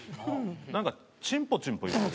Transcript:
「なんかチンポチンポ言ってる」。